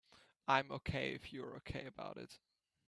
I'm OK if you're OK about it.